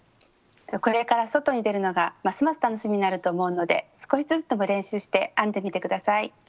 これから外に出るのがますます楽しみになると思うので少しずつでも練習して編んでみて下さい。